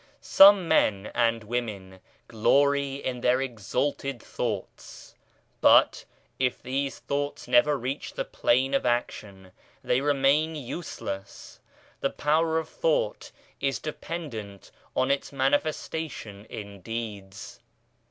Some men and women glory in their exalted thoughts, but, if these thoughts never reach the plane of action they remain useless : the power of thought is dependent on its manifestation in deeds.